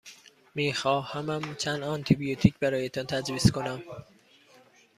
می خواهمم چند آنتی بیوتیک برایتان تجویز کنم.